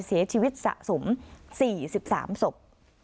เสียชีวิตสะสม๔๓ศพ